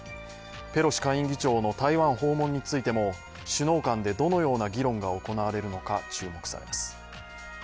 ペロシ下院議長の台湾訪問についても首脳間でどのような議論が行われるのか注目されます。